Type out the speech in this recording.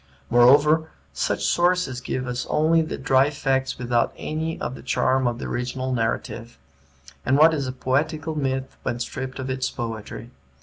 Moreover, such sources give us only the dry facts without any of the charm of the original narrative; and what is a poetical myth when stripped of its poetry?